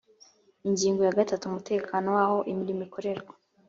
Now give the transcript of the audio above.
ingingo ya gatatu umutekano w aho imirimo ikorerwa